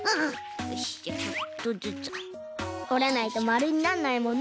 よしじゃあちょっとずつ。おらないとまるになんないもんね。